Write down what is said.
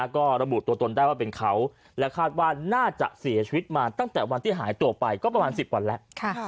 ก็ระบุตัวตนได้ว่าเป็นเขาและคาดว่าน่าจะเสียชีวิตมาตั้งแต่วันที่หายตัวไปก็ประมาณ๑๐วันแล้ว